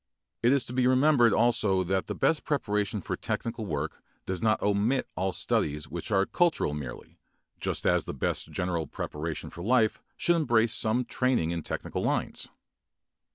It is to be remembered also that the best preparation for technical work does not omit all studies which are cultural merely, just as the best general preparation for life should embrace some training in technical lines.